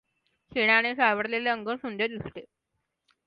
शेणाने सारवलेले अंगण सुंदर दिसते.